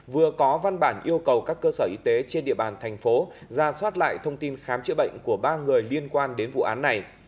vừa có văn bản yêu cầu các cơ sở y tế trên địa bàn thành phố ra soát lại thông tin khám chữa bệnh của ba người liên quan đến vụ án này